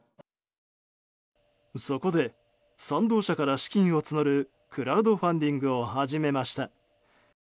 そこで賛同者から資金を募るクラウドファンディングを始めました。